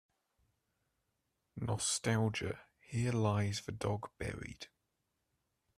Nostalgia Here lies the dog buried.